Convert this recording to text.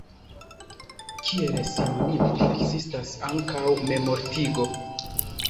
Kiel sinonimo ekzistas ankaŭ "memmortigo".